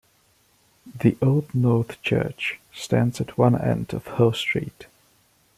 The Old North Church stands at one end of Hull Street.